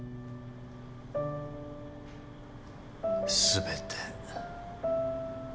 全て。